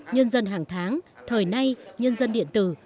nhân dân hàng tháng thời nay nhân dân điện tử